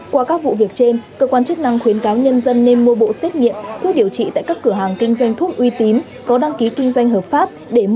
qua các vụ việc trên cơ quan chức năng khuyến cáo nhân dân nên mua bộ xét nghiệm thuốc điều trị tại các cửa hàng kinh doanh thuốc uy tín có đăng ký kinh doanh hợp pháp để mở bộ xét nghiệm